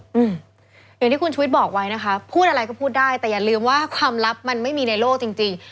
อย่างที่คุณชุวิตบอกไว้นะคะพูดอะไรก็พูดได้แต่อย่าลืมว่าความลับมันไม่มีในโลกจริงจริง